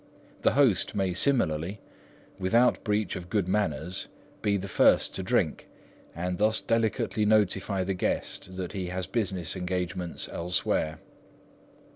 A host may similarly, without breach of good manners, be the first to drink, and thus delicately notify the guest that he has business engagements elsewhere.